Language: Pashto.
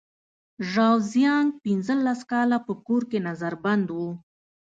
ژاو زیانګ پنځلس کاله په کور کې نظر بند و.